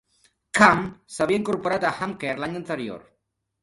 Camm s'havia incorporat a Hawker l'any anterior.